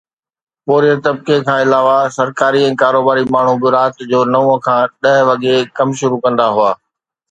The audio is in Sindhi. پورهيت طبقي کان علاوه سرڪاري ۽ ڪاروباري ماڻهو به رات جو نو کان ڏهه وڳي ڪم شروع ڪندا هئا